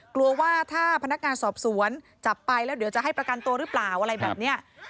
กลัวว่าถ้าพนักงานสอบสวนจับไปแล้วเดี๋ยวจะให้ประกันตัวหรือเปล่าอะไรแบบนี้